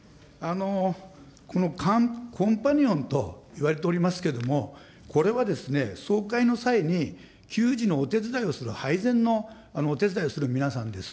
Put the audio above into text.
コンパニオンと言われておりますけれども、これはですね、総会の際に給仕のお手伝いをする、配膳のお手伝いをする皆さんです。